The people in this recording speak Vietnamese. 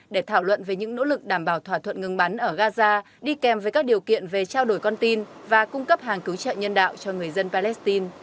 để thảo luận về những nỗ lực đảm bảo thỏa thuận ngừng bắn ở gaza đi kèm với các điều kiện về trao đổi con tin và cung cấp hàng cứu trợ nhân đạo cho người dân palestine